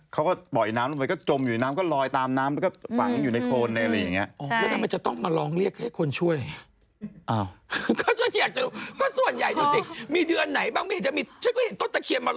เขาก็ปล่อยน้ำลงไปก็จมอยู่ในน้ำก็ลอยตามน้ำ